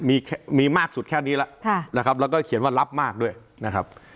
มีมีมากสุดแค่นี้แล้วนะครับแล้วก็เขียนว่ารับมากด้วยนะครับ